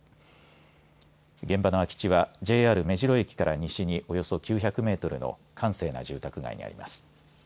現場の空き地はＪＲ目白駅から西におよそ９００メートルの閑静な住宅街にあります。